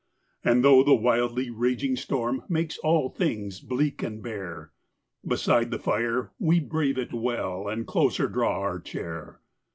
And, though the wildly raging storm Makes all things bleak and bare, Beside the fire we brave it well, And closer draw our chair.